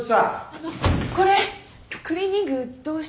あのこれクリーニングどうしたら。